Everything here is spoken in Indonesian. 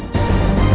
masih ada yang nunggu